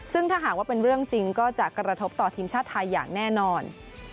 ซึ่งถ้าหากว่าเป็นเรื่องจริงก็จะกระทบต่อทีมชาติไทยอย่างแน่นอน